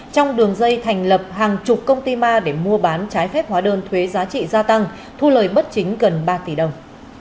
trong đường dây thành lập hàng chục công ty ma để mua bán trái phép hóa đơn thuế giá trị gia tăng thu lời bất chính gần ba tỷ đồng